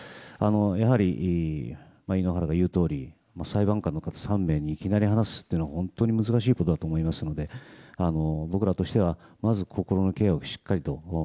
やはり、井ノ原が言うとおり裁判官の方３名にいきなり話すというのは本当に難しいことだと思いますので僕らとしてはまず心のケアをしっかりと。